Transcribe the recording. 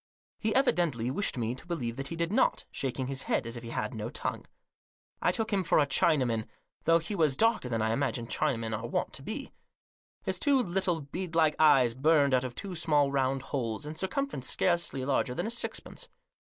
He evidently wished me to believe that he did not, shaking his head, as if he had no tongue. I took him for a Chinaman, though he was darker than I imagine Chinamen are wont to be. His two little bead like eyes burned out of two small round holes, in circumference scarcely larger than a sixpence.